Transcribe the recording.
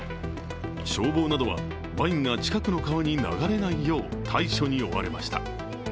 消防などはワインが近くの川に流れないよう対処に追われました。